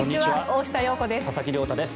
大下容子です。